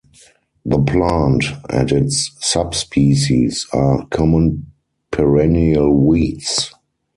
The plant and its subspecies are common perennial weeds.